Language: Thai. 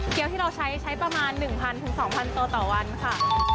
เกี๊ยวที่เราใช้ใช้ประมาณ๑๐๐๐๒๐๐๐โตต่อวันค่ะ